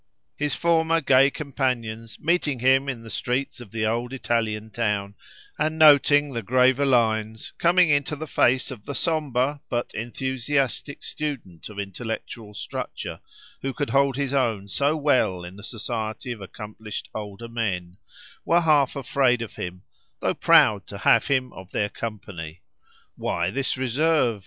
His former gay companions, meeting him in the streets of the old Italian town, and noting the graver lines coming into the face of the sombre but enthusiastic student of intellectual structure, who could hold his own so well in the society of accomplished older men, were half afraid of him, though proud to have him of their company. Why this reserve?